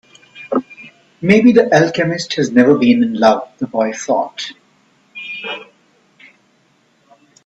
Maybe the alchemist has never been in love, the boy thought.